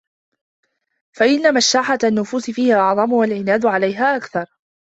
فَإِنَّ مُشَاحَّةَ النُّفُوسِ فِيهَا أَعْظَمُ وَالْعِنَادَ عَلَيْهَا أَكْثَرُ